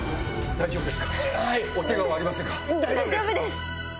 大丈夫です。